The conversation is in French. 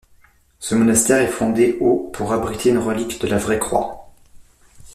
Ce monastère est fondé au pour abriter une relique de la Vraie Croix.